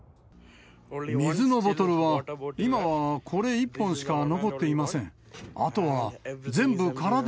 水のボトルは、今はこれ１本しか残っていません。